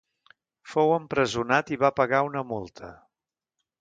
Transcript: Fou empresonat i va pagar una multa.